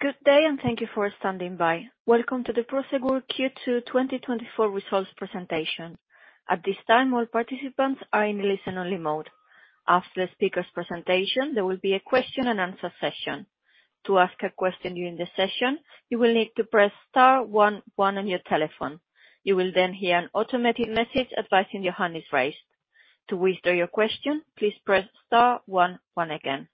Good day, and thank you for standing by. Welcome to the Prosegur Q2 2024 results presentation. At this time, all participants are in listen only mode. After the speaker's presentation, there will be a question and answer session. To ask a question during the session, you will need to press star one one on your telephone. You will then hear an automated message advising your hand is raised. To withdraw your question, please press star one one again.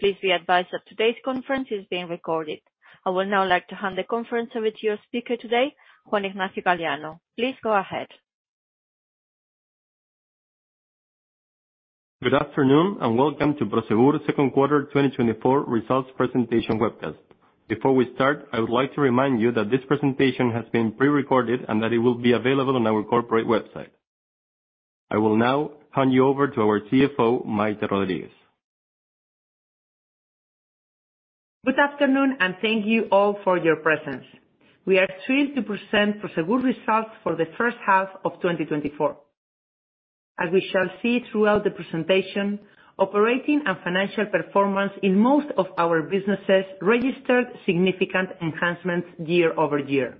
Please be advised that today's conference is being recorded. I would now like to hand the conference over to your speaker today, Juan Ignacio Galeano. Please go ahead. Good afternoon. Welcome to Prosegur second quarter 2024 results presentation webcast. Before we start, I would like to remind you that this presentation has been pre-recorded and that it will be available on our corporate website. I will now hand you over to our CFO, Maite Rodríguez. Good afternoon, and thank you all for your presence. We are thrilled to present Prosegur results for the first half of 2024. As we shall see throughout the presentation, operating and financial performance in most of our businesses registered significant enhancements year-over-year.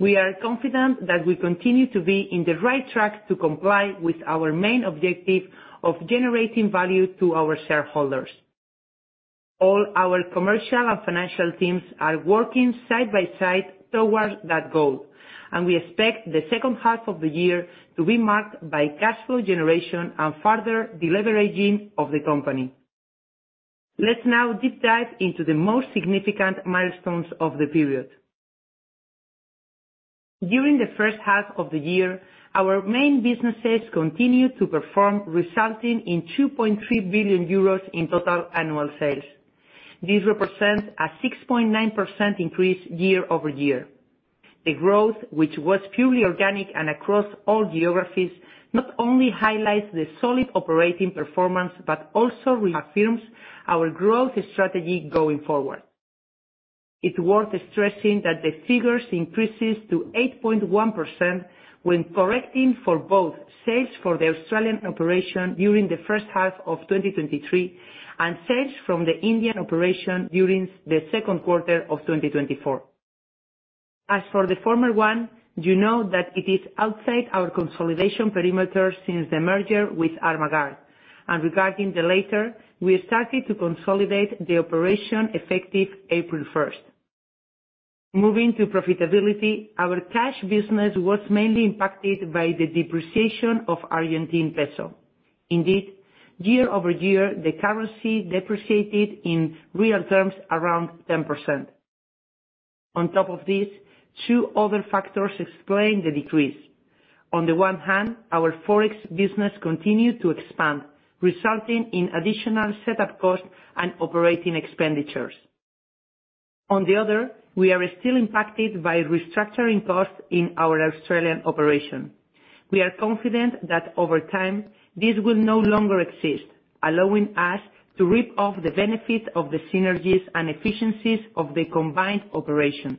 We are confident that we continue to be in the right track to comply with our main objective of generating value to our shareholders. All our commercial and financial teams are working side by side towards that goal. We expect the second half of the year to be marked by cash flow generation and further deleveraging of the company. Let's now deep dive into the most significant milestones of the period. During the first half of the year, our main businesses continued to perform, resulting in 2.3 billion euros in total annual sales. This represents a 6.9% increase year-over-year. The growth, which was purely organic and across all geographies, not only highlights the solid operating performance, but also reaffirms our growth strategy going forward. It's worth stressing that the figures increases to 8.1% when correcting for both sales for the Australian operation during the first half of 2023, and sales from the Indian operation during the second quarter of 2024. As for the former one, you know that it is outside our consolidation perimeter since the merger with Armaguard. Regarding the latter, we started to consolidate the operation effective April 1st. Moving to profitability, our Cash Business was mainly impacted by the depreciation of Argentine peso. Indeed, year-over-year, the currency depreciated in real terms around 10%. On top of this, two other factors explain the decrease. On the one hand, our Forex business continued to expand, resulting in additional setup costs and operating expenditures. On the other, we are still impacted by restructuring costs in our Australian operations. We are confident that over time, this will no longer exist, allowing us to reap the benefit of the synergies and efficiencies of the combined operation.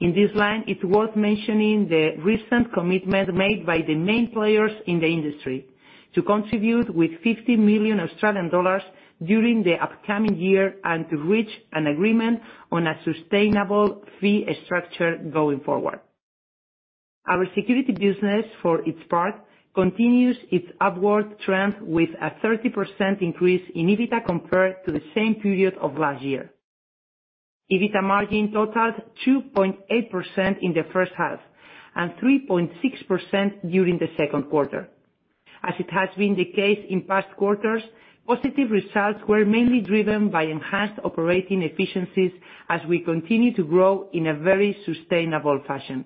In this line, it's worth mentioning the recent commitment made by the main players in the industry to contribute with 50 million Australian dollars during the upcoming year, and to reach an agreement on a sustainable fee structure going forward. Our Security Business, for its part, continues its upward trend with a 30% increase in EBITDA compared to the same period of last year. EBITDA margin totaled 2.8% in the first half, and 3.6% during the second quarter. As it has been the case in past quarters, positive results were mainly driven by enhanced operating efficiencies as we continue to grow in a very sustainable fashion.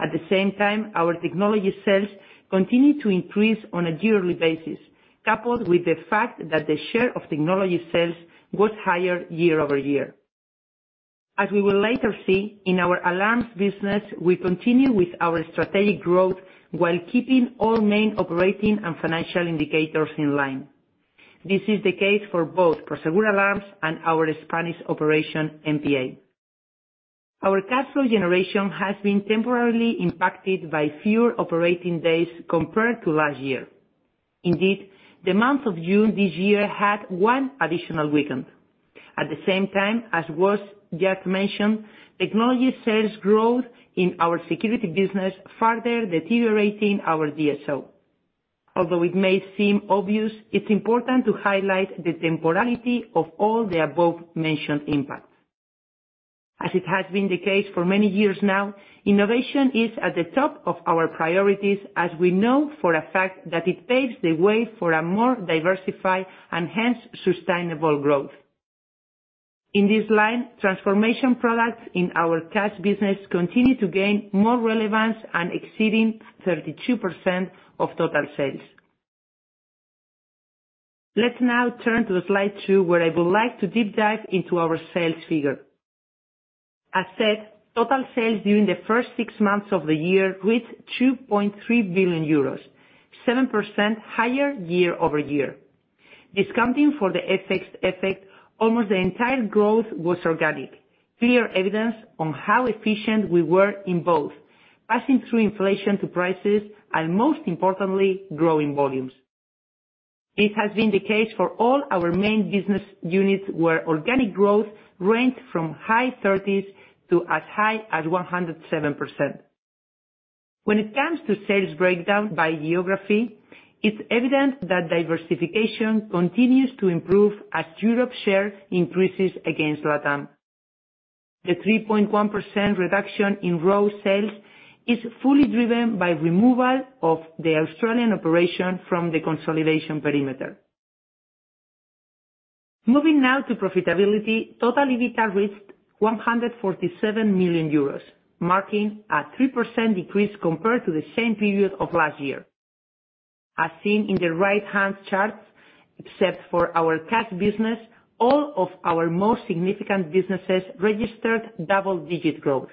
At the same time, our technology sales continued to increase on a yearly basis, coupled with the fact that the share of technology sales was higher year-over-year. As we will later see in our Alarm Business, we continue with our strategic growth while keeping all main operating and financial indicators in line. This is the case for both Prosegur Alarms and our Spanish operation, MPA. Our cash flow generation has been temporarily impacted by fewer operating days compared to last year. Indeed, the month of June this year had one additional weekend. At the same time, as was just mentioned, technology sales growth in our Security Business further deteriorating our DSO. Although it may seem obvious, it is important to highlight the temporality of all the above mentioned impacts. As it has been the case for many years now, innovation is at the top of our priorities, as we know for a fact that it paves the way for a more diversified and hence sustainable growth. In this line, transformation products in our Cash Business continue to gain more relevance, and exceeding 32% of total sales. Let's now turn to slide two, where I would like to deep dive into our sales figure. As said, total sales during the first six months of the year reached 2.3 billion euros, 7% higher year-over-year. Discounting for the FX effect, almost the entire growth was organic. Clear evidence on how efficient we were in both passing through inflation to prices, and most importantly, growing volumes. It has been the case for all our main business units where organic growth ranked from high 30s to as high as 107%. When it comes to sales breakdown by geography, it's evident that diversification continues to improve as Europe's share increases against LATAM. The 3.1% reduction in RoW sales is fully driven by removal of the Australian operation from the consolidation perimeter. Moving now to profitability, total EBITDA reached 147 million euros, marking a 3% decrease compared to the same period of last year. As seen in the right-hand chart, except for our Cash Business, all of our most significant businesses registered double-digit growth.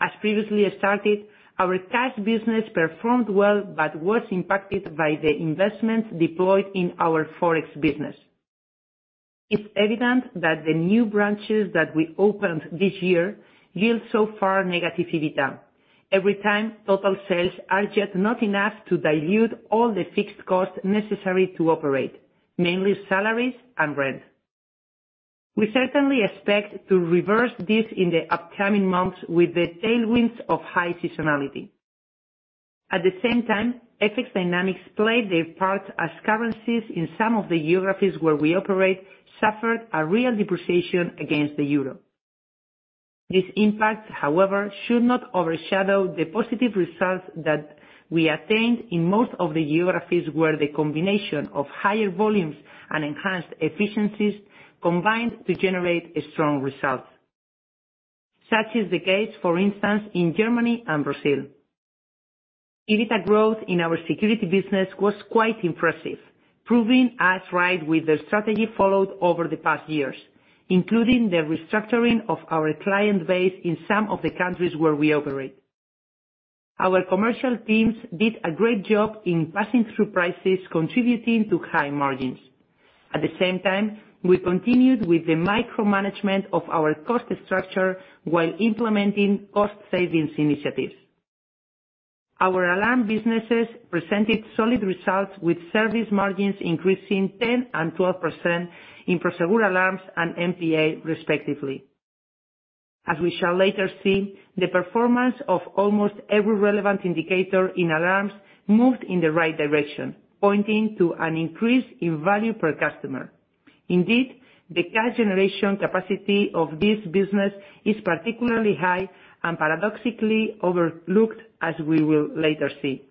As previously stated, our Cash Business performed well, but was impacted by the investments deployed in our Forex business. It's evident that the new branches that we opened this year yield, so far, negative EBITDA. Every time, total sales are just not enough to dilute all the fixed costs necessary to operate, mainly salaries and rent. We certainly expect to reverse this in the upcoming months with the tailwinds of high seasonality. At the same time, FX dynamics played their part as currencies in some of the geographies where we operate suffered a real depreciation against the euro. This impact, however, should not overshadow the positive results that we attained in most of the geographies where the combination of higher volumes and enhanced efficiencies combined to generate strong results. Such is the case, for instance, in Germany and Brazil. EBITDA growth in our Security Business was quite impressive, proving us right with the strategy followed over the past years, including the restructuring of our client base in some of the countries where we operate. Our commercial teams did a great job in passing through prices, contributing to high margins. At the same time, we continued with the micromanagement of our cost structure while implementing cost savings initiatives. Our alarm businesses presented solid results, with service margins increasing 10% and 12% in Prosegur Alarms and MPA, respectively. As we shall later see, the performance of almost every relevant indicator in alarms moved in the right direction, pointing to an increase in value per customer. Indeed, the cash generation capacity of this business is particularly high and paradoxically overlooked, as we will later see.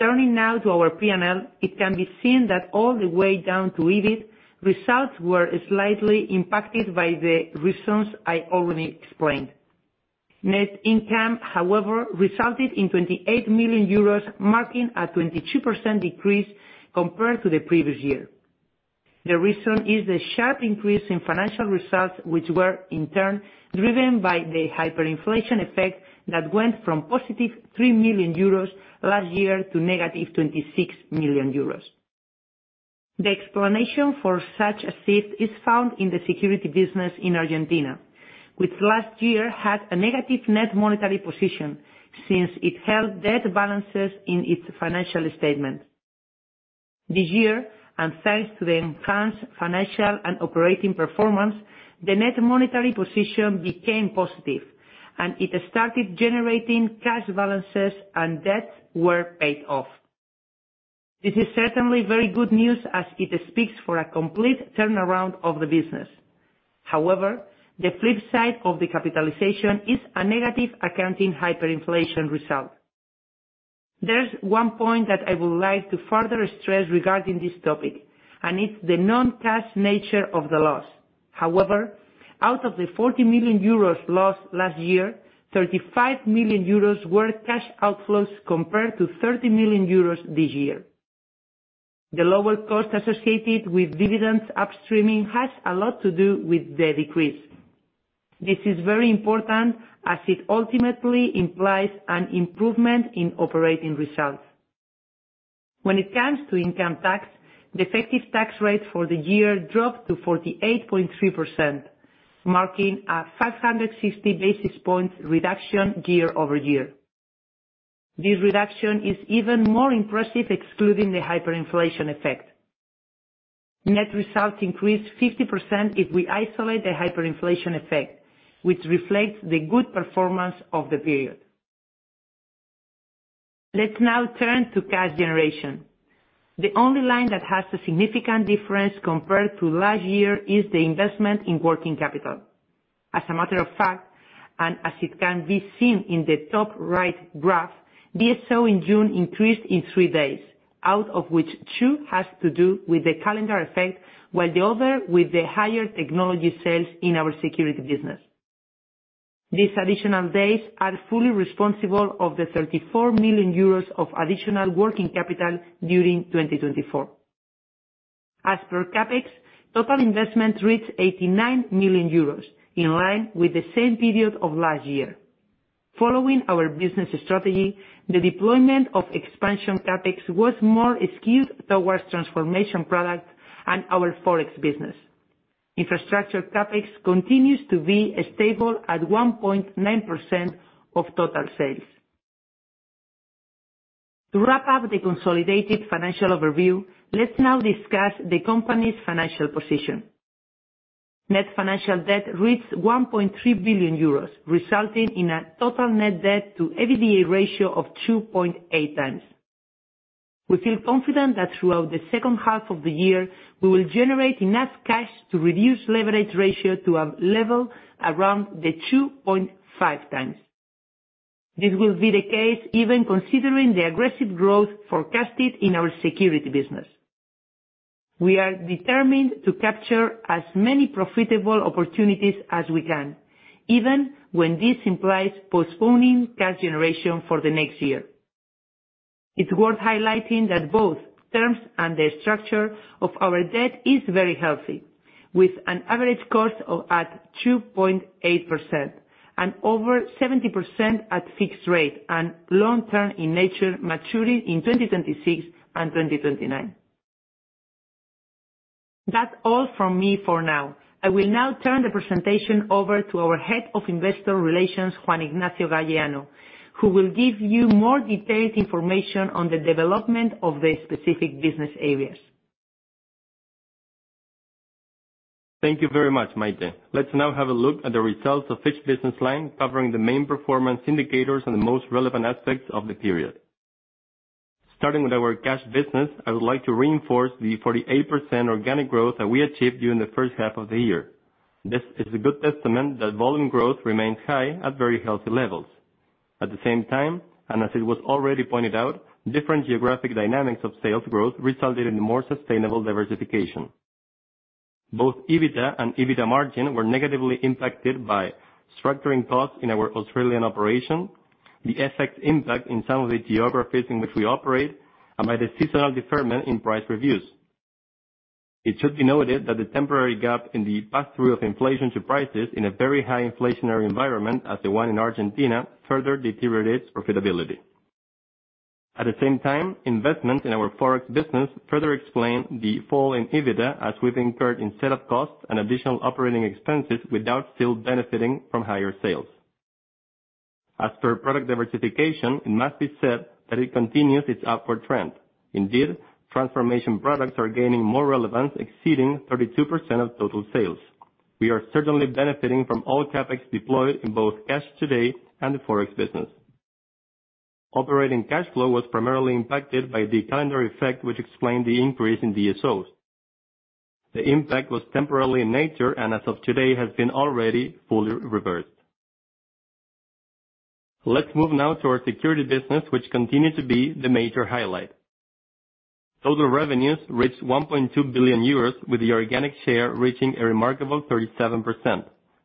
Turning now to our P&L, it can be seen that all the way down to EBIT, results were slightly impacted by the reasons I already explained. Net income, however, resulted in 28 million euros, marking a 22% decrease compared to the previous year. The reason is the sharp increase in financial results, which were, in turn, driven by the hyperinflation effect that went +3 million euros last year -26 million euros. The explanation for such a shift is found in the Security Business in Argentina, which last year had a negative net monetary position since it held debt balances in its financial statement. This year, and thanks to the enhanced financial and operating performance, the net monetary position became positive, and it started generating cash balances, and debts were paid off. This is certainly very good news as it speaks for a complete turnaround of the business. The flip side of the capitalization is a negative accounting hyperinflation result. There's one point that I would like to further stress regarding this topic, and it's the non-cash nature of the loss. However, out of the 40 million euros lost last year, 35 million euros were cash outflows compared to 30 million euros this year. The lower cost associated with dividends upstreaming has a lot to do with the decrease. This is very important as it ultimately implies an improvement in operating results. When it comes to income tax, the effective tax rate for the year dropped to 48.3%, marking a 560 basis point reduction year-over-year. This reduction is even more impressive excluding the hyperinflation effect. Net results increased 50% if we isolate the hyperinflation effect, which reflects the good performance of the period. Let's now turn to cash generation. The only line that has a significant difference compared to last year is the investment in working capital. As a matter of fact, and as it can be seen in the top right graph, DSO in June increased in three days, out of which two has to do with the calendar effect, while the other, with the higher technology sales in our Security Business. These additional days are fully responsible of the 34 million euros of additional working capital during 2024. As per CapEx, total investment reached 89 million euros, in line with the same period of last year. Following our business strategy, the deployment of expansion CapEx was more skewed towards transformation products and our Forex business. Infrastructure CapEx continues to be stable at 1.9% of total sales. To wrap up the consolidated financial overview, let's now discuss the company's financial position. Net financial debt reached 1.3 billion euros, resulting in a total net debt to EBITDA ratio of 2.8x. We feel confident that throughout the second half of the year, we will generate enough cash to reduce leverage ratio to a level around the 2.5x. This will be the case even considering the aggressive growth forecasted in our Security Business. We are determined to capture as many profitable opportunities as we can, even when this implies postponing cash generation for the next year. It's worth highlighting that both terms and the structure of our debt is very healthy, with an average cost at 2.8% and over 70% at fixed rate and long-term in nature, maturing in 2026 and 2029. That's all from me for now. I will now turn the presentation over to our Head of Investor Relations, Juan Ignacio Galeano, who will give you more detailed information on the development of the specific business areas. Thank you very much, Maite. Let's now have a look at the results of each business line, covering the main performance indicators and the most relevant aspects of the period. Starting with our Cash Business, I would like to reinforce the 48% organic growth that we achieved during the first half of the year. This is a good testament that volume growth remains high at very healthy levels. At the same time, as it was already pointed out, different geographic dynamics of sales growth resulted in more sustainable diversification. Both EBITDA and EBITDA margin were negatively impacted by structuring costs in our Australian operation, the FX impact in some of the geographies in which we operate, and by the seasonal deferment in price reviews. It should be noted that the temporary gap in the pass-through of inflation to prices in a very high inflationary environment, as the one in Argentina, further deteriorated profitability. At the same time, investments in our Forex Business further explain the fall in EBITDA, as we've incurred in set-up costs and additional operating expenses without still benefiting from higher sales. As per product diversification, it must be said that it continues its upward trend. Indeed, transformation products are gaining more relevance, exceeding 32% of total sales. We are certainly benefiting from all CapEx deployed in both Cash Today and the Forex Business. Operating cash flow was primarily impacted by the calendar effect, which explained the increase in DSOs. The impact was temporary in nature, and as of today, has been already fully reversed. Let's move now to our Security Business, which continued to be the major highlight. Total revenues reached 1.2 billion euros, with the organic share reaching a remarkable 37%.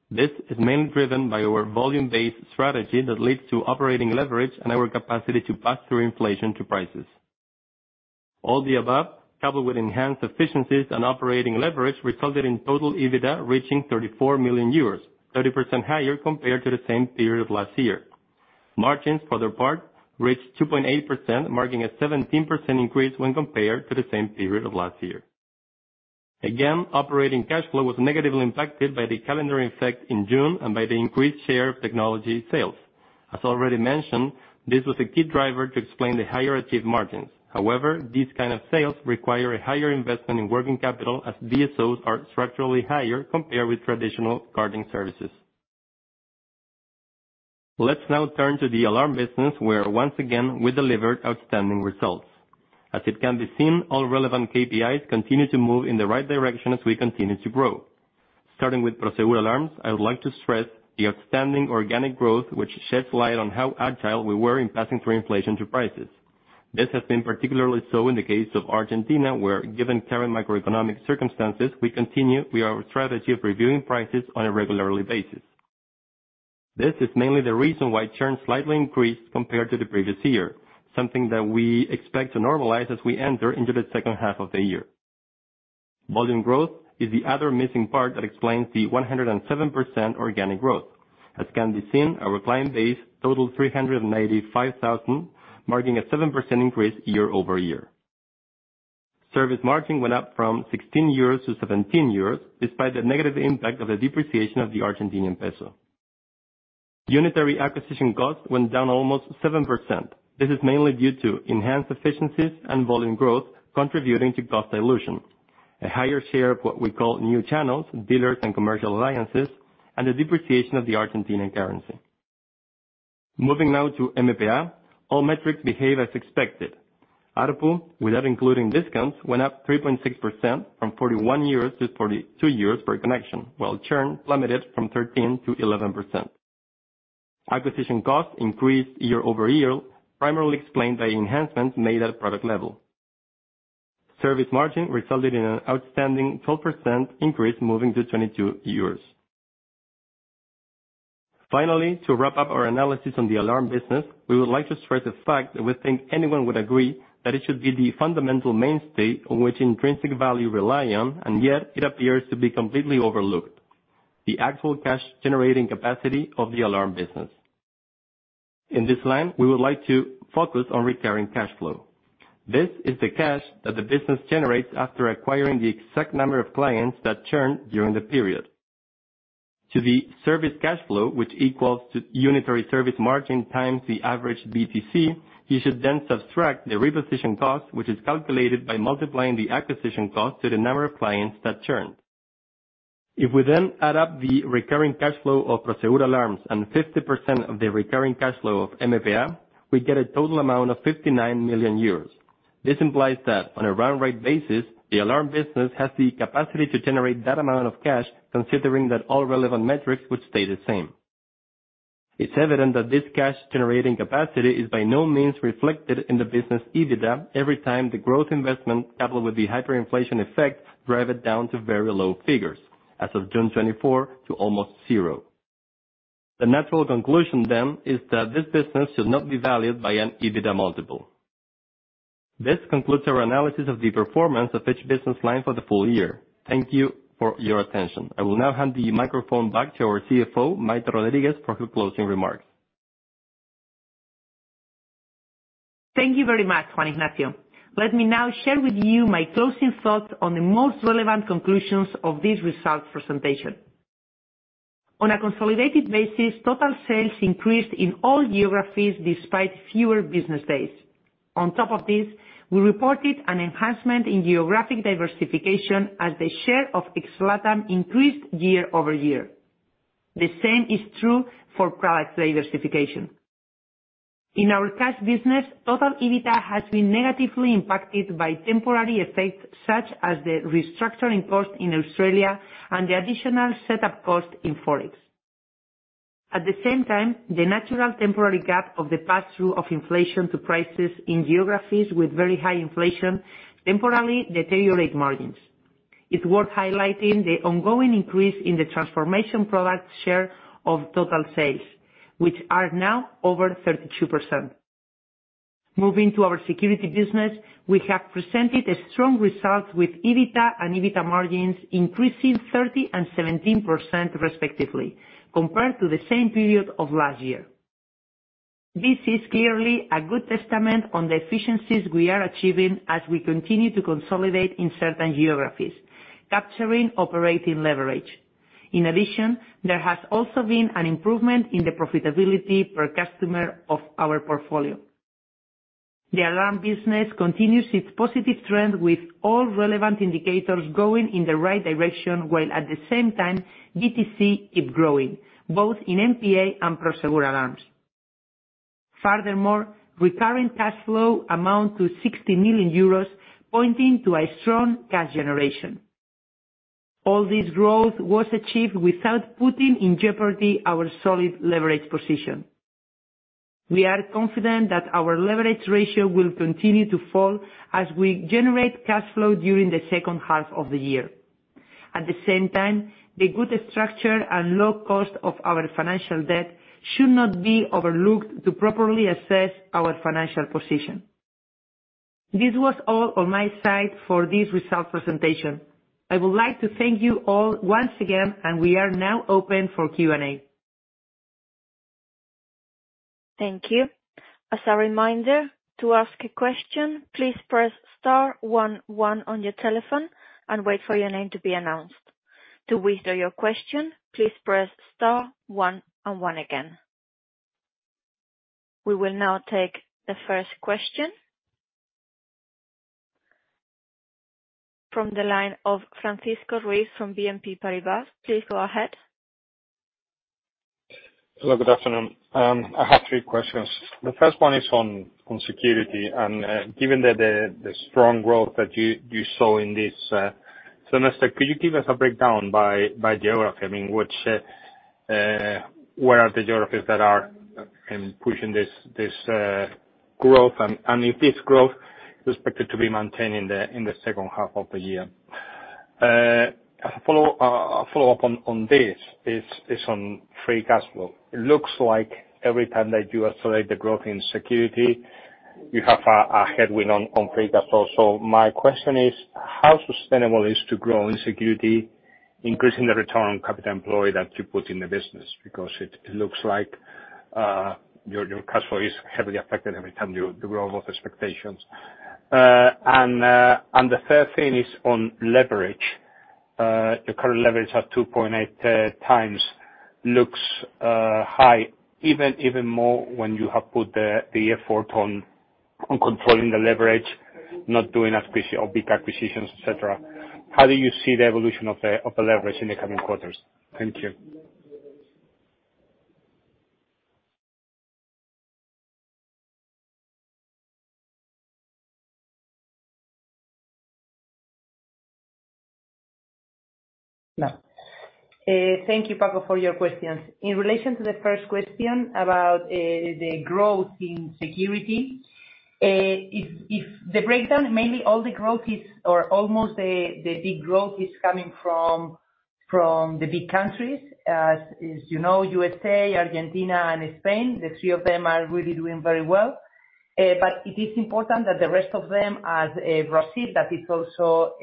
This is mainly driven by our volume-based strategy that leads to operating leverage and our capacity to pass through inflation to prices. All the above, coupled with enhanced efficiencies and operating leverage, resulted in total EBITDA reaching 34 million euros, 30% higher compared to the same period last year. Margins, for their part, reached 2.8%, marking a 17% increase when compared to the same period of last year. Again, operating cash flow was negatively impacted by the calendar effect in June and by the increased share of technology sales. As already mentioned, this was a key driver to explain the higher achieved margins. However, these kind of sales require a higher investment in working capital, as DSOs are structurally higher compared with traditional guarding services. Let's now turn to the Alarm Business, where once again, we delivered outstanding results. As it can be seen, all relevant KPIs continue to move in the right direction as we continue to grow. Starting with Prosegur Alarms, I would like to stress the outstanding organic growth, which sheds light on how agile we were in passing through inflation to prices. This has been particularly so in the case of Argentina, where, given current macroeconomic circumstances, we continue with our strategy of reviewing prices on a regular basis. This is mainly the reason why churn slightly increased compared to the previous year, something that we expect to normalize as we enter into the second half of the year. Volume growth is the other missing part that explains the 107% organic growth. As can be seen, our client base totals 395,000, marking a 7% increase year-over-year. Service margin went up from 16 euros to 17 euros, despite the negative impact of the depreciation of the Argentine peso. Unitary acquisition cost went down almost 7%. This is mainly due to enhanced efficiencies and volume growth contributing to cost dilution, a higher share of what we call new channels, dealers, and commercial alliances, and the depreciation of the Argentine currency. Moving now to MPA, all metrics behave as expected. ARPU, without including discounts, went up 3.6%, from 41 to 42 per connection, while churn plummeted from 13%-11%. Acquisition cost increased year-over-year, primarily explained by enhancements made at product level. Service margin resulted in an outstanding 12% increase moving to 22. Finally, to wrap up our analysis on the Alarm Business, we would like to stress a fact that we think anyone would agree that it should be the fundamental mainstay on which intrinsic value rely on, yet it appears to be completely overlooked. The actual cash-generating capacity of the Alarm Business. In this line, we would like to focus on recurring cash flow. This is the cash that the business generates after acquiring the exact number of clients that churn during the period. To the service cash flow, which equals to unitary service margin times the average BTC, you should then subtract the reposition cost, which is calculated by multiplying the acquisition cost to the number of clients that churned. If we then add up the recurring cash flow of Prosegur Alarms and 50% of the recurring cash flow of MPA, we get a total amount of 59 million euros. This implies that on a run rate basis, the Alarm Business has the capacity to generate that amount of cash, considering that all relevant metrics would stay the same. It's evident that this cash generating capacity is by no means reflected in the business EBITDA every time the growth investment coupled with the hyperinflation effect drive it down to very low figures, as of June 2024 to almost zero. The natural conclusion then is that this business should not be valued by an EBITDA multiple. This concludes our analysis of the performance of each business line for the full year. Thank you for your attention. I will now hand the microphone back to our CFO, Maite Rodríguez, for her closing remarks. Thank you very much, Juan Ignacio. Let me now share with you my closing thoughts on the most relevant conclusions of this results presentation. On a consolidated basis, total sales increased in all geographies despite fewer business days. On top of this, we reported an enhancement in geographic diversification as the share of ex-LATAM increased year-over-year. The same is true for product diversification. In our Cash Business, total EBITDA has been negatively impacted by temporary effects such as the restructuring cost in Australia and the additional setup cost in Forex. At the same time, the natural temporary gap of the pass-through of inflation to prices in geographies with very high inflation temporarily deteriorate margins. It's worth highlighting the ongoing increase in the transformation product share of total sales, which are now over 32%. Moving to our Security Business, we have presented a strong result with EBITDA and EBITDA margins increasing 30% and 17% respectively, compared to the same period of last year. This is clearly a good testament on the efficiencies we are achieving as we continue to consolidate in certain geographies, capturing operating leverage. In addition, there has also been an improvement in the profitability per customer of our portfolio. The Alarm Business continues its positive trend with all relevant indicators going in the right direction, while at the same time, BTC keep growing, both in MPA and Prosegur Alarms. Furthermore, recurring cash flow amount to 60 million euros, pointing to a strong cash generation. All this growth was achieved without putting in jeopardy our solid leverage position. We are confident that our leverage ratio will continue to fall as we generate cash flow during the second half of the year. At the same time, the good structure and low cost of our financial debt should not be overlooked to properly assess our financial position. This was all on my side for this result presentation. I would like to thank you all once again, and we are now open for Q&A. Thank you. As a reminder, to ask a question, please press star one one on your telephone and wait for your name to be announced. To withdraw your question, please press star one and one again. We will now take the first question. From the line of Francisco Ruiz from BNP Paribas. Please go ahead. Hello, good afternoon. I have three questions. The first one is on security, given the strong growth that you show in this semester, could you give us a breakdown by geography, where are the geographies that are pushing this growth and if this growth is expected to be maintained in the second half of the year? A follow-up on this is on free cash flow. It looks like every time that you accelerate the growth in security, you have a headwind on free cash flow. My question is, how sustainable is to grow in security, increasing the return on capital employed that you put in the business? Because it looks like your cash flow is heavily affected every time you grow above expectations. The third thing is on leverage. The current leverage at 2.8x looks high, even more when you have put the effort on controlling the leverage, not doing big acquisitions, et cetera. How do you see the evolution of the leverage in the coming quarters? Thank you. Thank you, Paco, for your questions. In relation to the first question about the growth in Security. Almost all the growth is coming from the big countries. As you know, USA, Argentina, and Spain, the three of them are really doing very well. It is important that the rest of them, as Brazil, that is also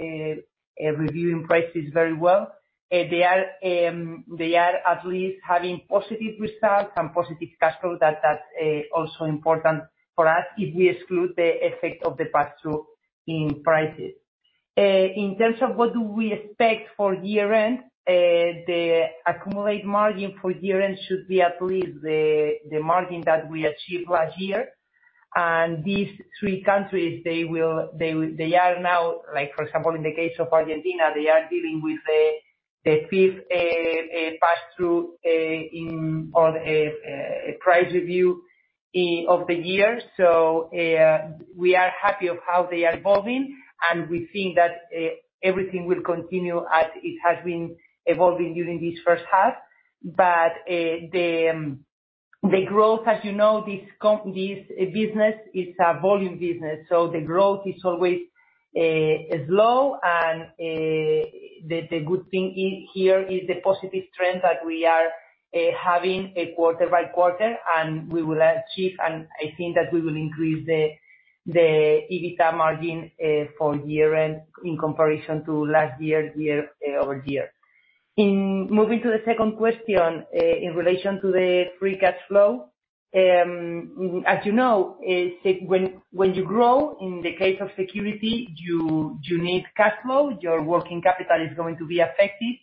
reviewing prices very well. They are at least having positive results and positive cash flow. That's also important for us, if we exclude the effect of the pass-through in prices. In terms of what do we expect for year-end, the accumulate margin for year-end should be at least the margin that we achieved last year. These three countries, for example, in the case of Argentina, they are dealing with the fifth pass-through or price review of the year. We are happy of how they are evolving, and we think that everything will continue as it has been evolving during this first half. The growth, as you know, this business is a volume business, so the growth is always slow. The good thing here is the positive trend that we are having quarter by quarter, and we will achieve, and I think that we will increase the EBITDA margin for year-end in comparison to last year-over-year. Moving to the second question, in relation to the free cash flow. As you know, when you grow, in the case of security, you need cash flow. Your working capital is going to be affected.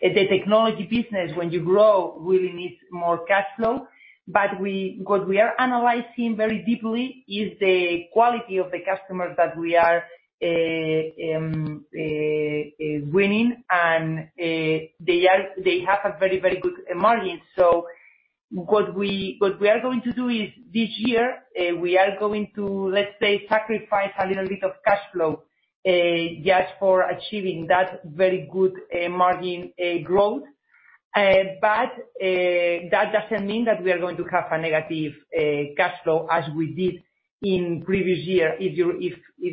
The technology business, when you grow, really needs more cash flow. What we are analyzing very deeply is the quality of the customers that we are winning, and they have a very good margin. What we are going to do is this year, we are going to, let's say, sacrifice a little bit of cash flow just for achieving that very good margin growth. That doesn't mean that we are going to have a negative cash flow as we did in previous year. If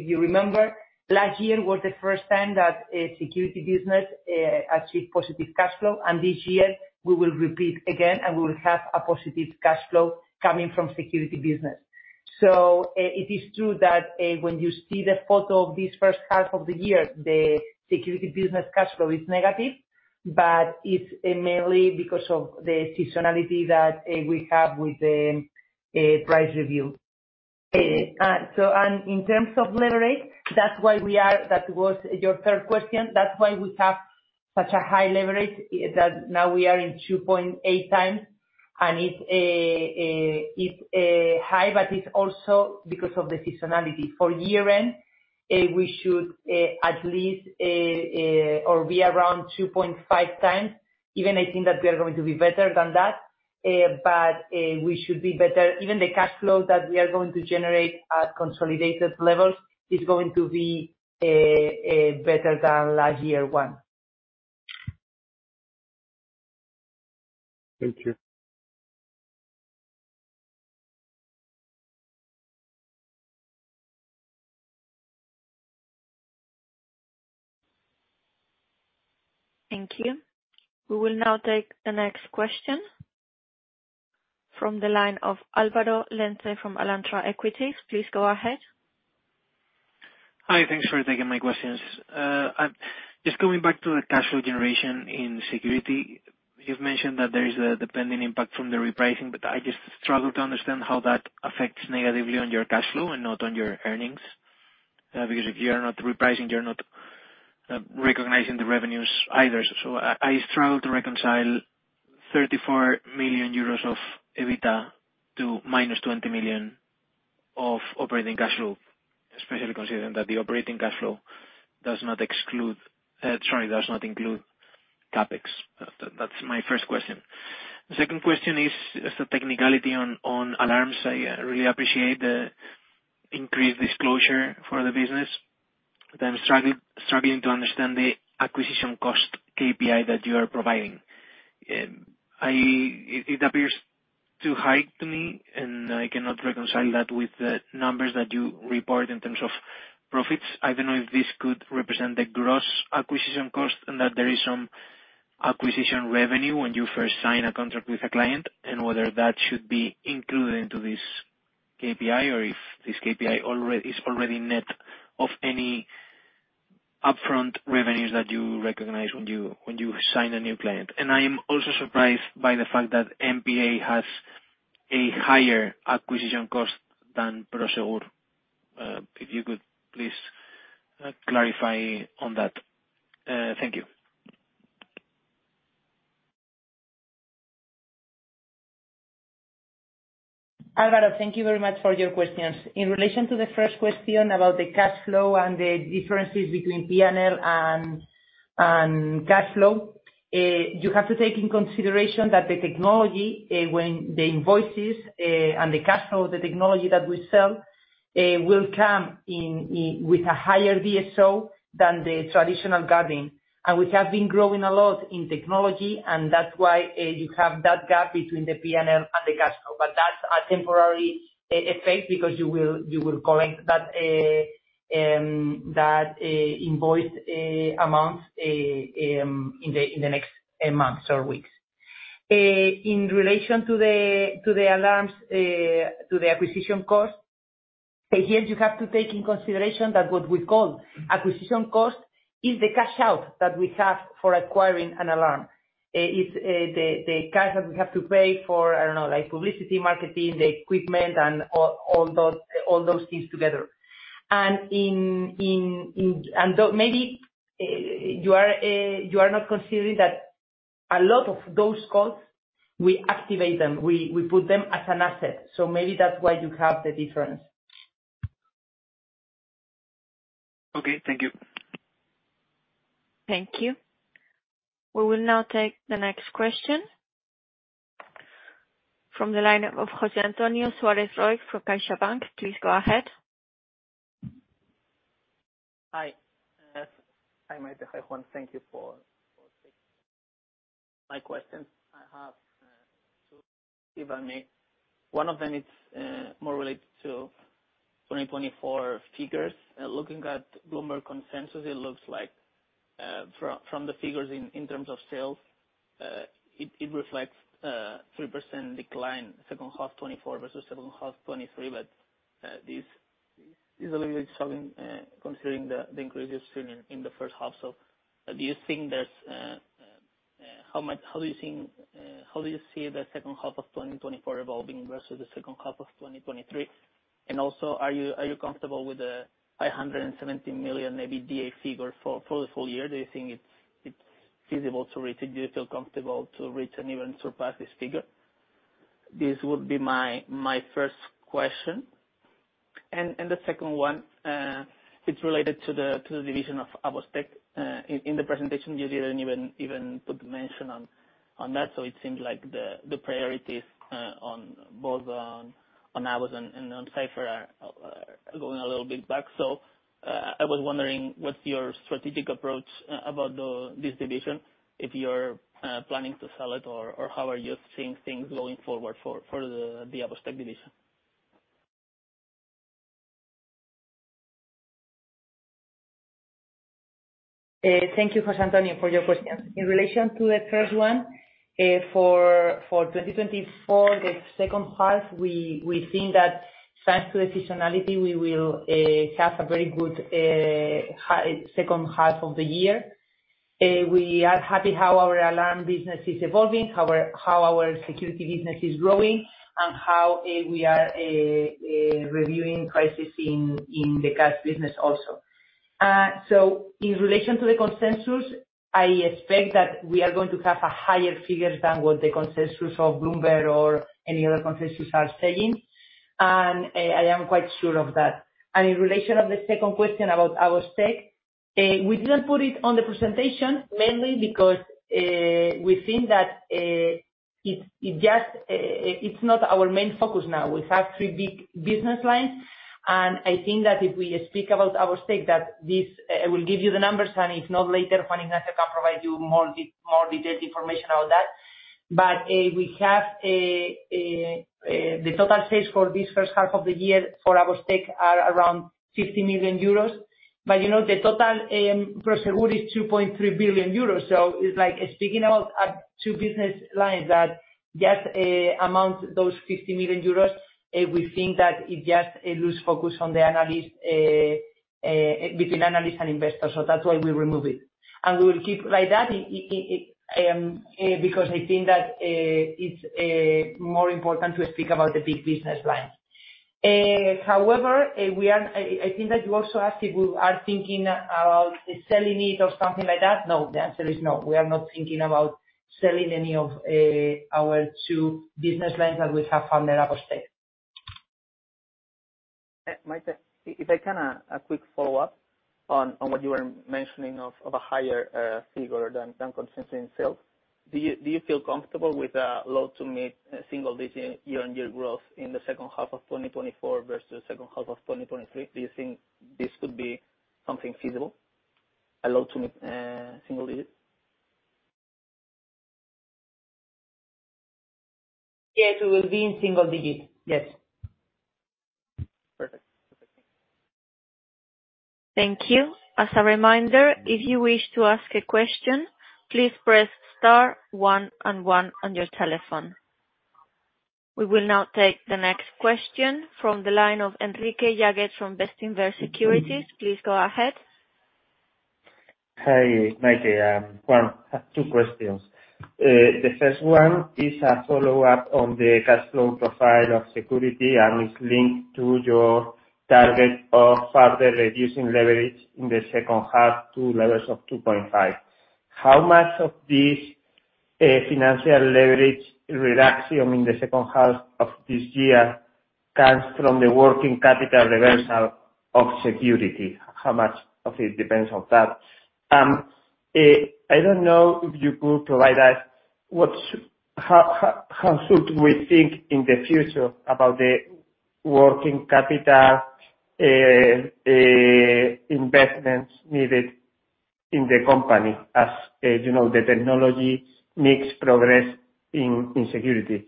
you remember, last year was the first time that Security Business achieved positive cash flow. This year we will repeat again, and we will have a positive cash flow coming from Security Business. It is true that when you see the photo of this first half of the year, the Security Business cash flow is negative, but it's mainly because of the seasonality that we have with the price review. In terms of leverage, that was your third question. That's why we have such a high leverage, that now we are in 2.8x. It's high, but it's also because of the seasonality. For year-end, we should be around 2.5x. Even I think that we are going to be better than that. We should be better. Even the cash flow that we are going to generate at consolidated levels is going to be better than last year one. Thank you. Thank you. We will now take the next question from the line of Álvaro Lenze from Alantra Equities. Please go ahead. Hi. Thanks for taking my questions. Coming back to the cash flow generation in Security Business. You've mentioned that there is a dependent impact from the repricing, but I just struggle to understand how that affects negatively on your cash flow and not on your earnings. If you're not repricing, you're not recognizing the revenues either. I struggle to reconcile 34 million euros of EBITDA to -20 million of operating cash flow, especially considering that the operating cash flow does not include CapEx. That's my first question. The second question is a technicality on alarms. I really appreciate the increased disclosure for the business, but I'm struggling to understand the acquisition cost KPI that you are providing. It appears too high to me, and I cannot reconcile that with the numbers that you report in terms of profits. I don't know if this could represent the gross acquisition cost and that there is some acquisition revenue when you first sign a contract with a client, and whether that should be included into this KPI or if this KPI is already net of any upfront revenues that you recognize when you sign a new client. I am also surprised by the fact that MPA has a higher acquisition cost than Prosegur. If you could please clarify on that. Thank you. Álvaro, thank you very much for your questions. In relation to the first question about the cash flow and the differences between P&L and cash flow, you have to take into consideration that the technology, when the invoices and the cash flow of the technology that we sell will come with a higher DSO than the traditional guarding. We have been growing a lot in technology, and that's why you have that gap between the P&L and the cash flow. That's a temporary effect because you will collect that invoice amount in the next months or weeks. In relation to the alarms, to the acquisition cost, here you have to take into consideration that what we call acquisition cost is the cash out that we have for acquiring an alarm. It's the cash that we have to pay for, I don't know, publicity, marketing, the equipment, and all those things together. Maybe you are not considering that a lot of those costs, we activate them. We put them as an asset, so maybe that's why you have the difference. Okay. Thank you. Thank you. We will now take the next question from the line of José Antonio Suárez from CaixaBank. Please go ahead. Hi. Hi, Maite. Hi, Juan. Thank you for taking my questions. I have two, if I may. One of them is more related to 2024 figures. Looking at Bloomberg consensus, it looks like from the figures in terms of sales, it reflects a 3% decline second half 2024 versus second half 2023. This is a little bit shocking, considering the increase we've seen in the first half. How do you see the second half of 2024 evolving versus the second half of 2023? Are you comfortable with the 570 million EBITDA figure for the full year? Do you think it's feasible to reach it? Do you feel comfortable to reach and even surpass this figure? This would be my first question. The second one, it's related to the division of AVOS Tech. In the presentation, you didn't even put mention on that. It seems like the priorities, both on AVOS Tech and on Cipher, are going a little bit back. I was wondering, what's your strategic approach about this division, if you're planning to sell it, or how are you seeing things going forward for the AVOS Tech division? Thank you, José Antonio, for your question. In relation to the first one, for 2024, the second half, we think that thanks to the seasonality, we will have a very good second half of the year. We are happy how our Alarm Business is evolving, how our Security Business is growing, and how we are reviewing pricing in the Cash Business also. In relation to the consensus, I expect that we are going to have a higher figure than what the consensus of Bloomberg or any other consensus are saying. I am quite sure of that. In relation of the second question about AVOS Tech, we didn't put it on the presentation, mainly because we think that it's not our main focus now. We have three big business lines, I think that if we speak about AVOS Tech, I will give you the numbers, if not later, Juan Ignacio can provide you more detailed information on that. We have the total sales for this first half of the year for AVOS Tech are around 50 million euros. The total Prosegur is 2.3 billion euros. It's like speaking about two business lines that just amount those 50 million euros, we think that it just lose focus between analysts and investors. That's why we remove it. We will keep like that, because I think that it's more important to speak about the big business lines. However, I think that you also asked if we are thinking about selling it or something like that. No, the answer is no. We are not thinking about selling any of our two business lines that we have under AVOS Tech. Maite, if I can, a quick follow-up on what you were mentioning of a higher figure than consensus in sales. Do you feel comfortable with a low to mid-single-digit year-on-year growth in the second half of 2024 versus second half of 2023? Do you think this could be something feasible, a low to mid-single-digit? Yes, we will be in single-digit. Yes. Perfect. Thank you. As a reminder, if you wish to ask a question, please press star one and one on your telephone. We will now take the next question from the line of Enrique Yáguez from Bestinver Securities. Please go ahead. Hi, Maite. Juan. I have two questions. The first one is a follow-up on the cash flow profile of security, and it's linked to your target of further reducing leverage in the second half to levels of 2.5. How much of this financial leverage reduction in the second half of this year comes from the working capital reversal of security? How much of it depends on that? I don't know if you could provide us, how should we think in the future about the working capital investments needed in the company as the technology makes progress in security?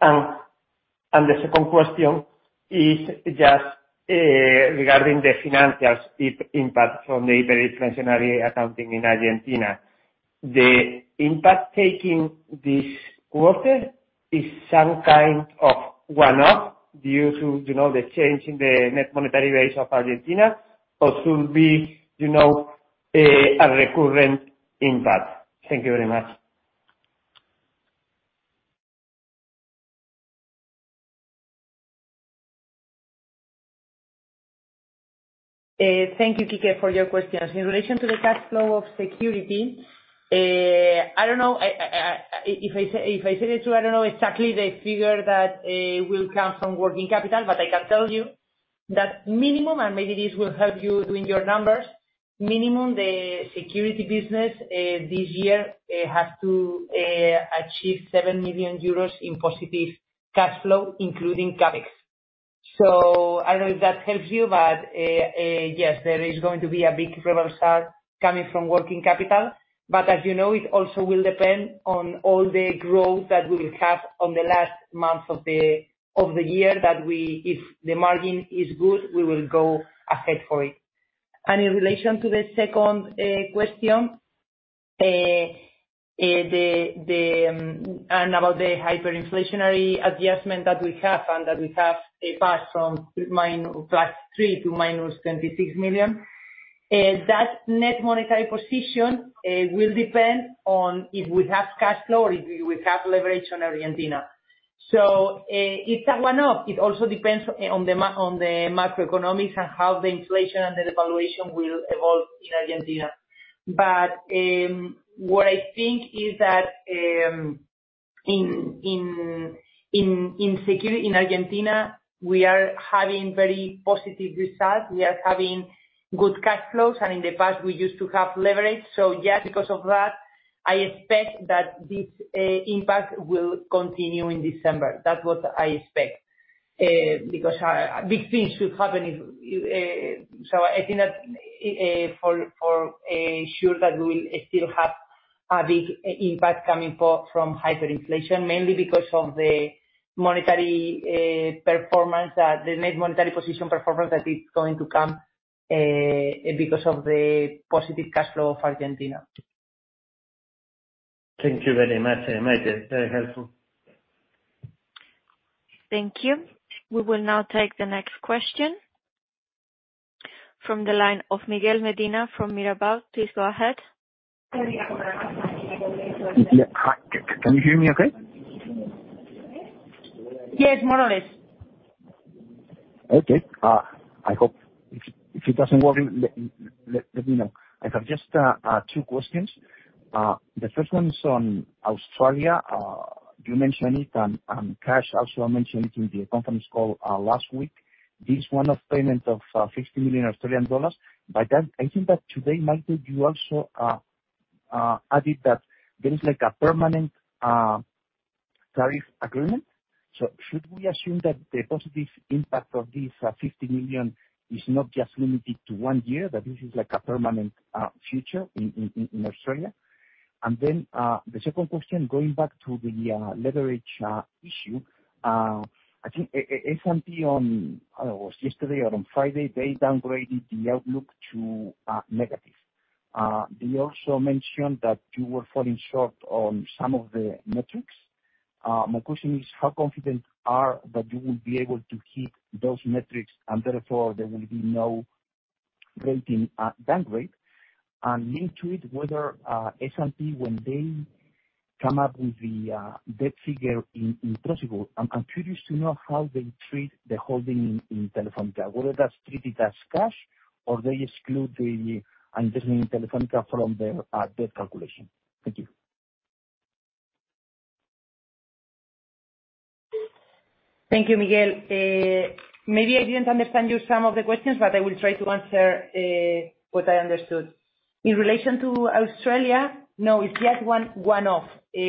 The second question is just regarding the financials impact from the very inflationary accounting in Argentina. The impact taking this quarter is some kind of one-off due to the change in the net monetary base of Argentina or should be a recurrent impact. Thank you very much. Thank you, Quique, for your questions. In relation to the cash flow of Security Business, I don't know. If I say it true, I don't know exactly the figure that will come from working capital, I can tell you that minimum, and maybe this will help you doing your numbers, minimum the Security Business this year has to achieve 7 million euros in positive cash flow including CapEx. I don't know if that helps you, yes, there is going to be a big reversal coming from working capital. As you know, it also will depend on all the growth that we will have on the last month of the year, that if the margin is good, we will go ahead for it. In relation to the second question, about the hyperinflationary adjustment that we have and that we have passed from +3 million to -26 million, that net monetary position will depend on if we have cash flow or if we have leverage on Argentina. It's a one-off. It also depends on the macroeconomics and how the inflation and the devaluation will evolve in Argentina. What I think is that in Argentina, we are having very positive results. We are having good cash flows, and in the past, we used to have leverage. Yes, because of that, I expect that this impact will continue in December. That's what I expect, because big things should happen. I think that for sure that we will still have a big impact coming from hyperinflation, mainly because of the net monetary position performance that is going to come because of the positive cash flow of Argentina. Thank you very much, Maite. Very helpful. Thank you. We will now take the next question from the line of Miguel Medina from Mirabaud. Please go ahead. Can you hear me okay? Yes, more or less. Okay. If it doesn't work, let me know. I have just two questions. The first one's on Australia. You mentioned it, and Cash also mentioned it in the conference call last week. This one-off payment of 50 million Australian dollars, I think that today, Maite, you also added that there is a permanent tariff agreement. Should we assume that the positive impact of this 50 million is not just limited to one year, that this is a permanent future in Australia? The second question, going back to the leverage issue. I think S&P on, I don't know, it was yesterday or on Friday, they downgraded the outlook to negative. They also mentioned that you were falling short on some of the metrics. My question is, how confident are that you will be able to hit those metrics and therefore there will be no rating downgrade? Linked to it, whether S&P, when they come up with the debt figure in Prosegur, I am curious to know how they treat the holding in Telefónica, whether that is treated as cash or they exclude the investment in Telefónica from their debt calculation. Thank you. Thank you, Miguel. I didn't understand you some of the questions, I will try to answer what I understood. In relation to Australia, no, it's just one-off.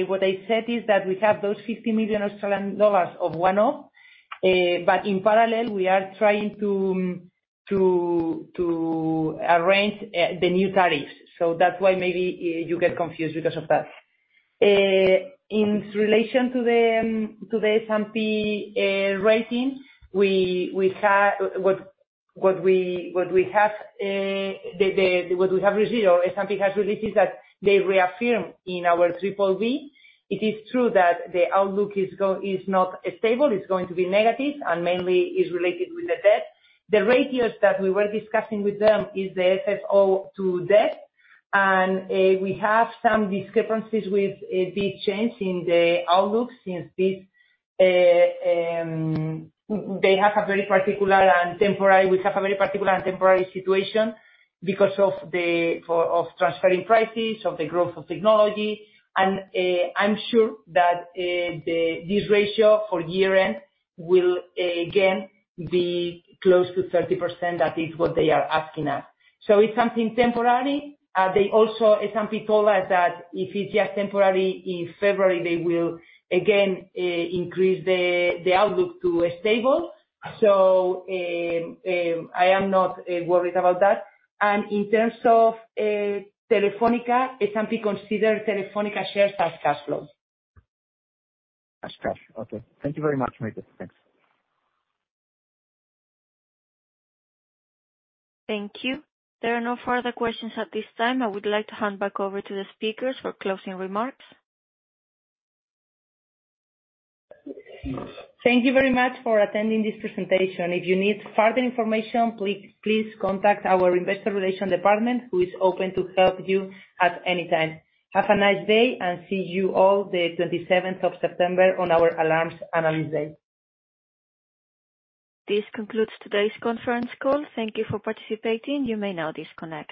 What I said is that we have those 50 million Australian dollars of one-off, in parallel, we are trying to arrange the new tariffs. That's why maybe you get confused because of that. In relation to the S&P rating, what we have received, S&P has released is that they reaffirm in our BBB. It is true that the outlook is not stable, it's going to be negative, mainly is related with the debt. The ratios that we were discussing with them is the FFO to debt, we have some discrepancies with this change in the outlook since we have a very particular and temporary situation because of transferring prices, of the growth of technology. I'm sure that this ratio for year-end will again be close to 30%. That is what they are asking us. It's something temporary. Also, S&P told us that if it's just temporary, in February, they will again increase the outlook to stable. I am not worried about that. In terms of Telefónica, S&P consider Telefónica shares as cash flow. As cash. Okay. Thank you very much, Maite. Thanks. Thank you. There are no further questions at this time. I would like to hand back over to the speakers for closing remarks. Thank you very much for attending this presentation. If you need further information, please contact our investor relations department, who is open to help you at any time. Have a nice day, and see you all the 27th of September on our Alarms Analyst Day. This concludes today's conference call. Thank you for participating. You may now disconnect.